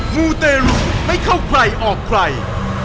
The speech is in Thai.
มูเตรุไม่เข้าใครออกใคร